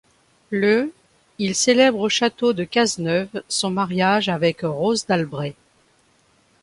Le il célèbre au château de Cazeneuve son mariage avec Rose d'Albret.